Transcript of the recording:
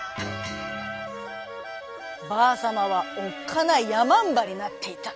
ばあさまはおっかないやまんばになっていた。